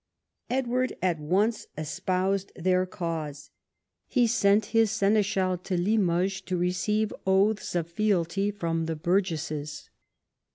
Edward at once espoused their cause. He sent his seneschal to Limoges to receive oaths of fealty from the burgesses.